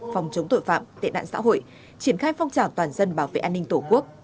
phòng chống tội phạm tệ nạn xã hội triển khai phong trào toàn dân bảo vệ an ninh tổ quốc